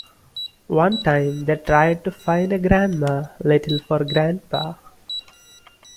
One time they tried to find a Grandma Little for Grandpa.